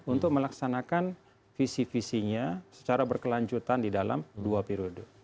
untuk melaksanakan visi visinya secara berkelanjutan di dalam dua periode